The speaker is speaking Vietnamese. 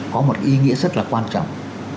có một ý nghĩa rất là quan trọng